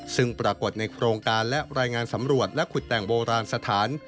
ซึ่งปรากฏในโครงการและรายงานสำรวจและขุดแต่งโบราณสถาน